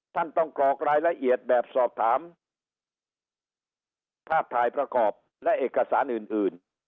ท่านต้องกรอกรายละเอียดแบบสอบถามภาพถ่ายประกอบและเอกสารอื่น